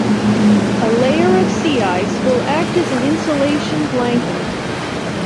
A layer of sea ice will act as an insulation blanket.